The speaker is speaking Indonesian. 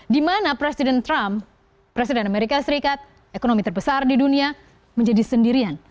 di mana presiden trump presiden amerika serikat ekonomi terbesar di dunia menjadi sendirian